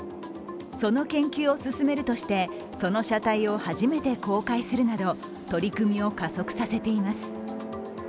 その研究を進めるとして、その車体を初めて公開するなど取り組みを加速させています。